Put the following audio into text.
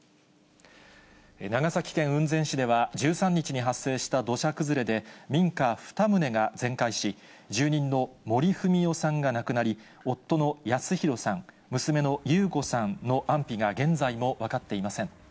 長崎県雲仙市では、１３日に発生した土砂崩れで、民家２棟が全壊し、住人の森文代さんが亡くなり、夫の保啓さん、娘の優子さんの安否が現在も分かっていません。